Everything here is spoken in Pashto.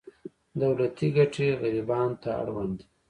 دولتي ګټې غریبانو ته اړوند دي.